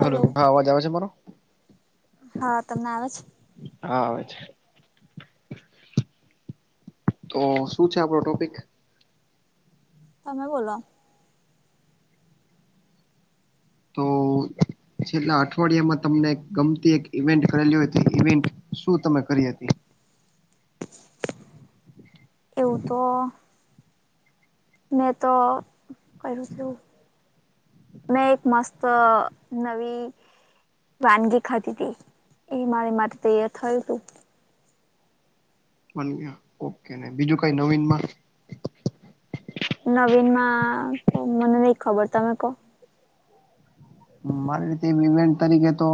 Hello. હા અવાજ આવે છે મારો? હા તમને આવે છે હા આવે છે. તો શું છે આપણો ટોપિક? તમે બોલો. તો છેલ્લા અઠવાડિયામાં તમને ગમતી એક ઇવેન્ટ કરેલી હોય, તે ઇવેન્ટ શું તમે કરી હતી? એવું તો મેં તો કર્યું છે એવું મેં એક મસ્ત નવી વાનગી ખાધી તી. એ મારી માટે તૈયાર થયું તું. [unintelligible] ઓકે. ને બીજું કાંઈ નવીન માં? નવીન માં તો મને નહીં ખબર. તમે કહો. મારી રીતે એમ ઇવેન્ટ તરીકે તો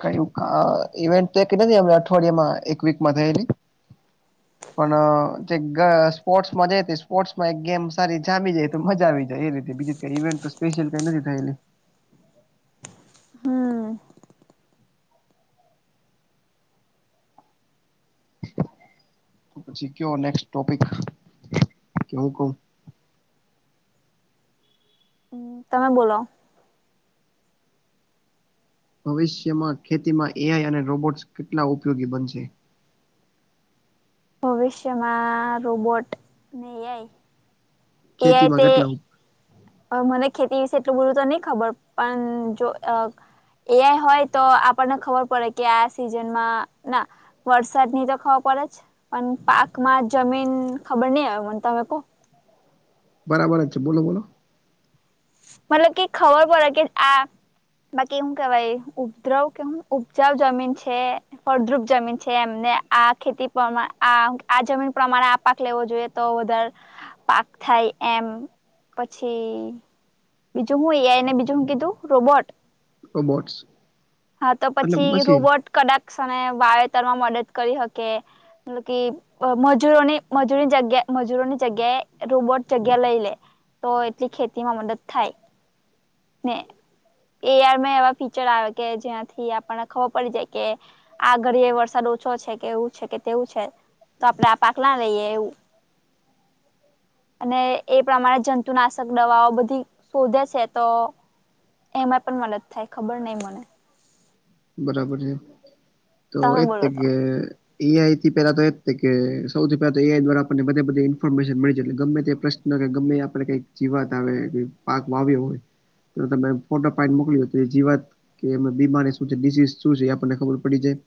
[unintelligible] ઇવેન્ટ તે [unintelligible] અઠવાડિયામાં એક વીકમાં થયેલી. પણ [unintelligible] સ્પોર્ટ્સમાં જાય તે સ્પોર્ટ્સમાં એક ગેમ સારી જામી જાય તો મજા આવી જાય એ રીતે, બીજી કાંઈ ઈવેન્ટ્ [unintelligible] સ્પેશિયલ કાંઈ નથી થયેલી. હમ પછી કયો નેક્સ્ટ ટોપિક? કે હું કઉં? અમ્મ તમે બોલો. ભવિષ્યમાં ખેતીમાં એ આઈ અને રોબોટ્સ કેટલા ઉપયોગી બનશે? ભવિષ્યમાં રોબોટ ને એ આઈ એ આઈ ખેતીમાં તે કેટલા ઉપ- અહ મને ખેતી વિશે એટલું બધું તો નહીં ખબર, પન જો અહ એ આઈ હોય તો આપણને ખબર પડે કે આ સિઝનમાં ના વરસાદ ની તો ખબર પડે જ, પન પાકમાં જમીન ખબર નહીં હવે મને, તમે કહો. બરાબર જ છે. બોલો-બોલો. મતલબ કે ખબર પડે કે આ બાકી એ હું કહેવાય ઉપદ્રવ કે હું ઉપજાવ જમીન છે. ફળદ્રુપ જમીન છે એમ. ને આ ખેતી પ્રમા આ-આ જમીન પ્રમાણે આપ પાક લેવો જોઈએ તો વધારે પાક થાય એમ. પછી બીજું હું એ આઈ, ને બીજું હું કીધું રોબોટ? રોબોટ્સ. હા તો એટલે પછી મશીન રોબોટ કદાક સમયે વાવેતરમાં મદદ કરી હકે. [unintelligible] મજૂરોની મજૂરીની જગ્યા મજૂરોની જગ્યાએ રોબોટ જગ્યા લઈ લે. તો એટલી ખેતી માં મદદ થાય. ને એઆઈ માં એવા ફીચર આવે કે જ્યાંથી આપણને ખબર પડી જાય કે આ ઘડીએ વરસાદ ઓછો છે કે એવું છે કે તેવું છે. તો આપડે આ પાકલા લઈએ એવું અને એ પ્રમાણે જંતુનાશક દવાઓ બધી શોધે છે. તો એમાં પણ મદદ થાય ખબર નહિ મને બરાબર છે તો તમે એ જ તે બોલો તો કે એઆઈથી પેલા તો એ જ કે સૌથી પેલા તો એઆઈ દ્વારા આપણને બધ બધી ઇન્ફોર્મેશન મળી જાય એટલે ગમે તે ગમે આપડે કઈક જીવાત આવે પાક વાવ્યો હોય. તો તમે ફોટો પાડી ને મોકલીયો તો એ જીવત કે બીમારી [unintelligible] ડીઝ શું છે આપણને ખબર પડી જાય.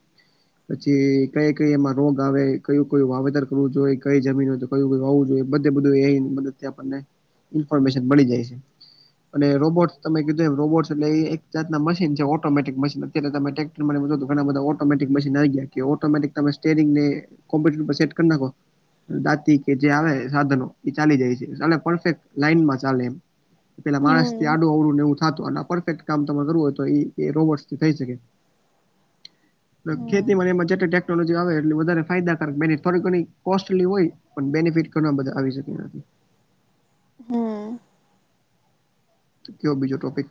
પછી કયા કઈ એમાં રોગ આવે કયું કઈ વાવેતર કરવું જોઈએ કઈ જમીન હોવું જોઈએ બધ બધું એ મદથી આપણને ઇન્ફોર્મેશન મળી જાય છે. અને રોબોટ્ તમે કીધું એ રોબોટ્સ એટલે એક જાતના મશીન છે ઓટોમેટિક મશીન તે તો તમેક તો ઘણા બધા ઓટોમેટિક મશીન આવી ગયા ઓટોમેટિક તમે સ્ટેરીંગ ને કોમ્પ્યુટર પર સેટ કર નાખો. દાંત કે જે આવે સાધનો એ ચાલી જાય છે પરફેક્ટ લાઈનમાં ચાલે એમ પેલા માણસ થી હમ આડું અવડું એવું થતું અને પરફેક્ટ કામ તરે કરવું હોય તો એ રોબોટ થઈ શકે હમ ખેતીમાં ટેનોલોજી આવે એટલે વધ ફાયદાકારક બે થોડી ઘણી કોસ્ટલી હોય. પણ બેનિફિટ ઘણા બધા આવી શકે. હમ કયો બીજો ટોપિક?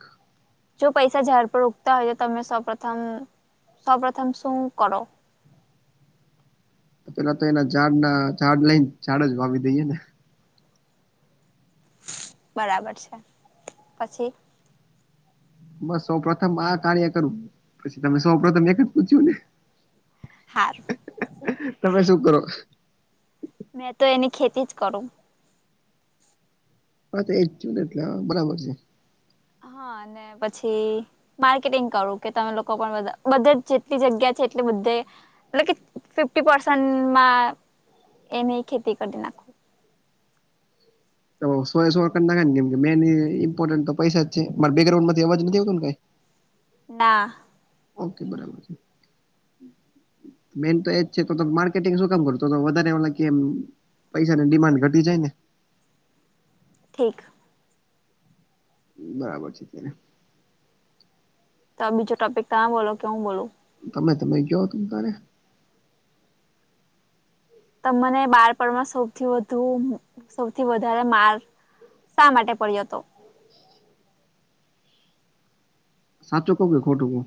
જો પૈસા ઝડ પર ઉગતા હોય તો તમે સૌપથમ સૌપથમ શું કરો? પેલા તો એના ઝાડના ઝાડ લઈને ઝાડ જ વાવી દઈએે. બરાબર છે પછી બસ સૌ પ્રથમ આ કાર્ય કરું પછી તમે સૌ પ્રથમ એક જ પૂછ્યું ને હાર તમે શું કરો? મેં તો એની ખેતી જ કરું. હા તો એજ થયું ને એટલે બરાબર છે. હા અને પછી માર્કેટિંગ કરું કે તમે લોકો પણ બધે જેટલી જગ્યા છે એટલી બધે એટલે કે ફિફ્ટી પર્સેન્ટમાં એને ખેતી કરી નાખો. તો સો સોડ નાખાય ને કેમ કે મેન ઇમ્પોર્ન્ટ તો પૈસા જ છે મારે બેકગ્રઉન્ડ માં અવાજ નથી આવતો કઈ ના ઓકે બરાબર છે. મેન તો એજ છે માર્કેટિંગ શું કામ કર વધારે એમ પૈસાની ડિમાન્ડ ઘટી જાય ને. ઠીક બરાબર છે, ત્યારે તો બીજો ટોપિક ત્યાં બોલો કે હું બોલું. ગમે તમે કયો તમતારે તમને બાળપણમાં સૌથી વધુ સૌથી વધારે માર્ક શા માટે પડ્યો હતો? સાચો કહું કે ખોટું કવ?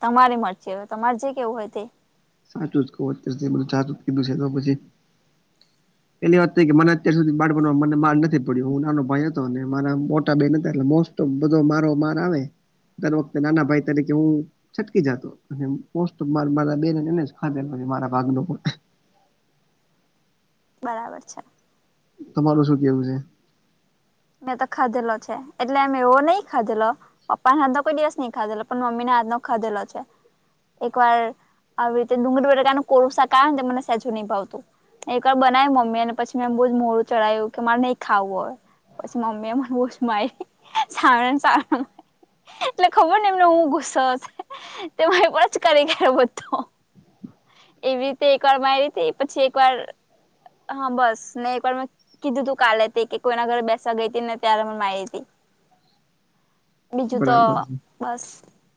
તમારે મરચી તમારે જે કેવું હોય તે. સાચુંકીધું સાચું ઉચકી દું છે તો પછી. પેલી વાત થઈ કે મને અત્યાર સુધી બાળપણમાં મને માર નથી પડ્યો હું નાનો ભાઈ હતો ને મારા મોટા બેહેન હતા એટલે મો તો બધો મારો માર આવે. દર વખતે નાના ભાઈ તરીકે હું છટકી જાતોસ્ટ મારા બેન એને જ ખાધેલો છે મારા ભાગનો પણ. બરાબર છે. તમારું શું કેવું છે? મેં તો ખાધેલો છે, એટલે અ એવો નહીં ખાધેલો. પપ્પા હાથનો કોઈ દિવસ નહિં ખાધેલો પણ મમ્મી હાથનો ખાધેલો છે. એકવાર આવી રીતે ડુંગળ વેર કોરુસા કારણ મને સહેજું નહીં ભાવતું. એકવાર બનાવી મમ્મી અને પછી મેં એમ બહુ જ મોડું ચડાયું કે મારે નહીં ખાવું હોય. પછી મમ્મી બુચ શું મારી. [unintelligible] એટલે ખબર ને એમને હું ગુસ્સો હસે, તેમારે પણ જ કરી ગર બધો. એવી રીતે એકવાર મારી રીતે પછી એકવાર હા બસ ને એકવાર મેં કીધું તું કાલે હતી, કે કોઈના ઘરે બેસવા ગઈ હતી ને ત્યારે મને માહી હતી. [inaudible] બીજું તો બરાબર છે બસ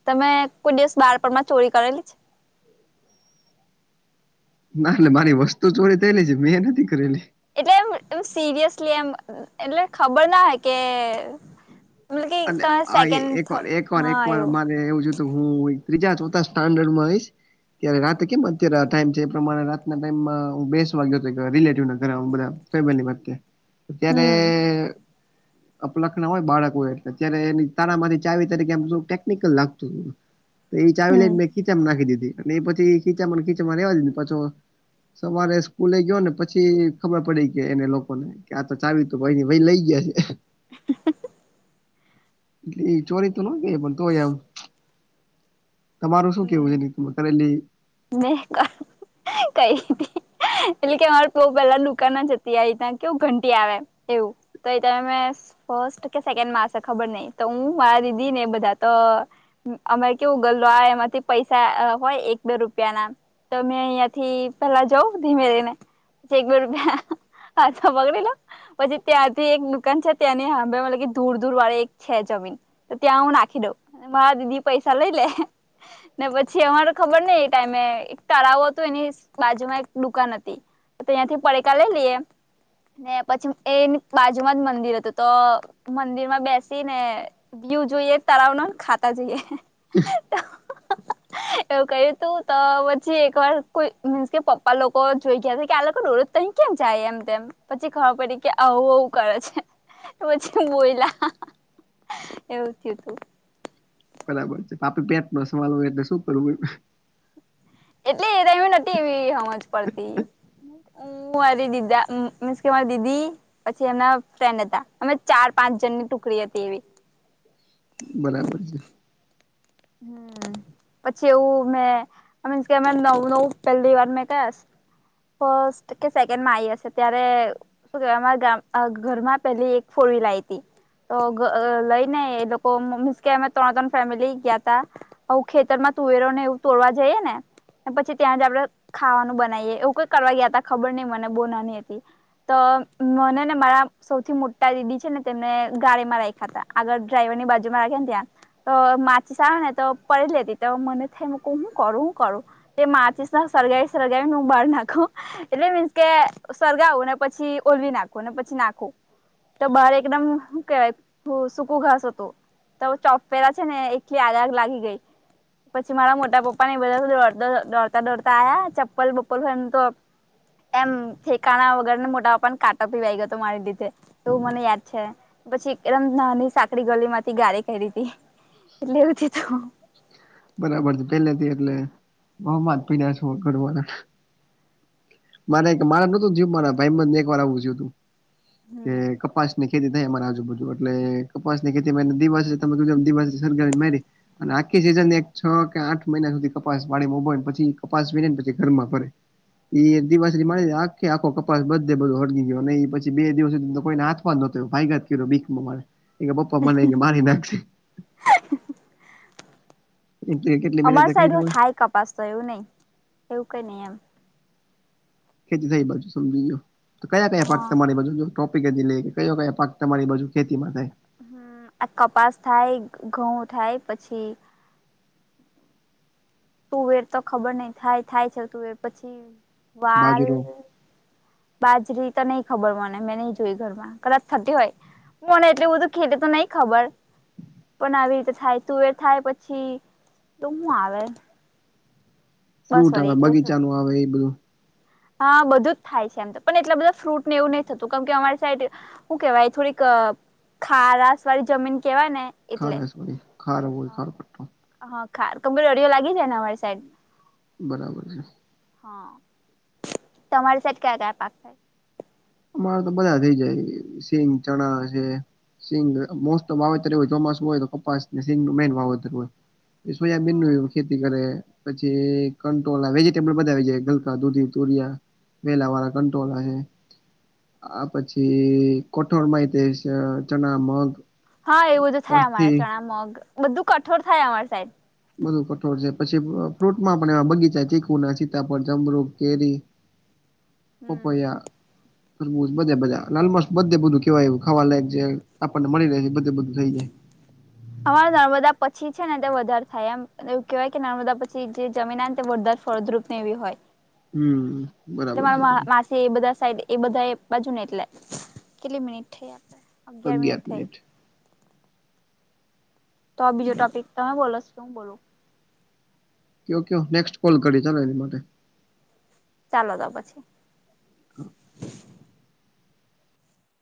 તમે કોઈ દિવસ બાળપણમાં ચોરી કરેલી છે? ના એટલે મારી વસ્તુ ચોરી થયેલી છે મેં નથી કરેલી. એટલે એમ એમ સિરિયસલી એમ એટલે ખબર ના હોય કે મતલબ કે અને તમે આ સેકન્ડ થ એકવાર એકવાર હા એકવાર એવું મારે એવું હું ત્રીજા ચોથા સ્ટાન્ડર્ડમાં રઈશ. ત્યારે રાતે કેમ અત્યારે ટાઈમ છે, એ પ્રમાણે રાતના ટાઈમમાં હ બેસ વાગ્યો હતો રિલેટિવ ઘરે બધા. ફેબની વચે, ત્યારે હમ અપલખના હોય બાળકોએ. અત્યારે એની તાારામાંથી ચાવી તરીકે એ ટેકનિકલ લાગતું હતું. તોએ હમ ચાવીને ખીચ નાખી દીધી, અને એ પછી એ ખીચા ખીચામાં રેવા દી પછો- સવારે સ્કૂલે ગયો ને પછી ખબર પડી કે એને લોકોને. કે તો ચાવી તો ભાઈ લઈ ગયા છે. હ [unintelligible] એટલે ચોરી તોન પણ તોય એમ. તમારું શું કેવું હમ છે કરેલી મે કંઈ નહી. એટલે કે અમારે પ પેલા નુકા ના જતી આવી ત્યા કેવું ઘંટી આવે એવું. તોએ તમે મે ફસ્ટ કે સેકન્ડમાં હસે ખબર નહીં તો હું મારા દીદી ને બધા તો અમે કેવું ગલો આ એમાં પૈસા હોય એક બે રૂપિયા ના, તમે અહિયાંથી પેલા જઉ ધીમે ધીમે. ચકબરપ હછ પકડી લો. પછી ત્યાંથી એક દુકાન છે ત્યાંની સાંભ મત કે દૂર દૂર વાળે એક છે જમીન. તો ત્યાં હું નાખી દઉં, મારા દીદી પૈસા લઈ લે. ને પછી અમારે ખબર નહિં એ ટાઈમે એક તળાવ હતું એની બાજુમાં એક દુકાન હતી. તો ત્યાંથી પડકા લઈ લઈએ. ને પછી એની બાજુમાં જ મંદિર હતું તો મંદિર માં બેસીને વ્યુ જોઈએ તળાવના ખાતા જોઈએ હ એવું કહ્યું તું તો પછી એક વાર કોઈ મીન્સ કે પપ્પા લોકો જોઈ ગયા છે કે આ લોકો રોજ તો અહી કેમ જાય એમ તેમ પછી ખબર પડી કે આવું આવવું કરે છે. પછી હું બોયલા એવું થયું તું બરાબર છે પાપી પેટ નો સવાલ હોય એટલે શું કરવું હોય એટલે એ ટાઈમ એ નથી એવી સમજ પડતી હ અરે દીદા મીન્સ કે મારે દીદી પછી એમના ફ્રેન્ડ હતા અમે ચાર પાંચ જન ની ટુકડી હતી એવી બરાબર છે. હમ પછી એવું મેં મિસ્ક કે અ ન નવું પેલી વાર મેં કયા ફર્સ્ટ કે સેકન્ડ માઈ હશે ત્યારે શું કેવાય અમારાામ ઘરમાં પેલી એક ફોઈ લાવીતી તો લઈ ને એ લોકો મીસ કે અમે ત્રણ ત્રણ ફેમિલી ગયા ખેતરમાં તુવેરો ને એવું તોડવા જઈએ ને પછી ત્યાં જ આપડણે ખાવાનું બનાઈએ એવું કઈ કરવા ગયા ત ખબર નઈ મને બો નાની હતી તો મને ને મારા સૌથી મોટા દીદી છે ને તેમને ગાડીમાં રાખ્યા તા આગળ ડ્રાઈવર ની બાજુ માં રાખે ને ત્યાં તો સને તો પડ લે દ તો મને થાયું ક હું કરું હું કરું તે માટી સળગાવી સ સરગાવીનેું બહાર નાખું એટલે મીન્સ કે સળગાવું ને પછી ઓલવી નાખવ ને પછી નાખવ તો બહાર એકદમ શ કેવાય સૂકું ઘાસ હતું તો છોફીરા છે ને આગ આગ લાગી ગઈ પછી મારા મોટા પપ્પા ને બધા દોડતા દોડતા આ્યા ચપ્પલ બપલ ફ તો એમ ઠેકાણા વગરને મોટા પપને કાટો પીવાઈ ગયો હતો મારી લીધે તોું મને યાદ છે. પછી એદમ નાની સાંકડી ગલી માંથી ગાડી કાડીતી [unintelligible] બરાબર છે પેલેથી એટલે બહુ મા પી્યા છે કરવાના મારે મારે નતું થઈ મારા ભાઈ મને એક વાર આવું થયું તું કે હમ કપાસ ખેતી થાય મારા આજુબજુ એટલે કપાસ ની ખેતી [unintelligible] અને આખી સીઝન એક છ કે આઠ મહિના સુધી કપાસ પાણીમા વાળે મોબાઈ પછી કપાસ વને પછી ઘરમાં ફરે દિવસ મા આખે આખો કપાસ બધે બધો હટકીી ગયો પછી બે દિવસ સુધી કોઈને હા [unintelligible] મારે એ પપા મને મારી નાખશે [unintelligible] કેટલી [unintelligible] એવું મહેનત કરી હોય નહી એવું કઈ નહી એમ ખેતી થઈ બાજુ સમજી ગયો તો કયા કયા પાક હા તમારી બાજુ જો ટોપિક જ લઈએ કે કયો કયા પાક તમારી બાજુ ખેતી માં થાય હમ આ કપાસ થાય ઘઉં થાય પછી તું વેર તો ખબર નઈ થાય થાય છે તું વેર પછી વાલ બાજરો બાજરી તો નહી ખબર મને મેં નહી જોય ઘરમાં કદાચ થતી હોય [unintelligible] નહીં ખબર પણ આવી રીતે થાય તુવેર થાય પછી તો હું આવે બસ ફ્રૂટ આવે વળી એટલું થતું બગીચાનું આવે એ બધું હા બધું જ થાય છે એમ તો પણ એટલા બધા ફ્રૂટ ને એવું નહીં થતું કેમ કે અમારી સાઈડ. શું કેવાય થોડીક ખારાસ વાળી જમીન કેવાય ને. ખા એટલે લ ખા બો ખો હા પો. [unintelligible] હા ખાર કમ્ દરિયો લાગી જાય ને અમારી સાઈડ. બરાબર છે. હા, તમારી સાઈડ કયા કયા પાક થાય? અમારે તો બધા થઇ જાય સિંગ ચણા છે. સિંગ મોસ્ટ વાવેતર હોય ચોમાસું હોય તો કપાસ સિંગ નું મેન વાવેતર હોય. એ સોયાબીન નું એમ ખેતી કરે. પછી કંટોળ વેજીટેબલ બધા આવી જાય ગલકા દૂધી તુરિયા. વેલા વાળા કટ્રોલા છે. આ પછી કોઠોળ માય તે ચણા મગ. હા એવું બધું થાય અમારા અડથી ચણા મગ બધું કઠોર થાય અમારા સાઈડ. બધું કઠોર છે પછી ફ્રૂટમાં પણ એ બગીચા ચીકુ ના સીતાફળ જમરૂખ કેરી. હમ. પપૈયા. હમમ બધા બધા લાલ મસ્ત બધે બધું કેવાયું ખાવાલાયક જે આપણને મળી રહે છે બધે બધું થઈ જાય. અમારે નર્મદા પછી છે ને તે વધારે થાય એમ. એવું કહેવાય કે નર્મદા પછી જે જમીન આવે વરદાદ ફળદ્રૂપ ને એવી હોય. હમ એટલે બરાબર છે એ બધું. મારા માસી એ બધા સાઈડ એ બધા એ બાજુ ને એટલે, કેટલી મિનિટ થઈ? અગિયાર મિનિટ. તો બીજ બરાબર, ટોપિક તમે બોલો શું બોલો? ઓકે ઓકે નેક્સ્ટ કોલ કરીશ એની માટે. ચાલો તો પછી. હા.